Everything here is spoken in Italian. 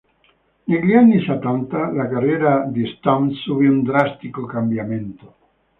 Negli anni settanta, la carriera di Stamp subì un drastico cambiamento.